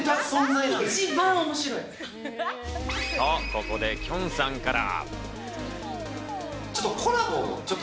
と、ここで、きょんさんから。